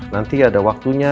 nanti ada waktunya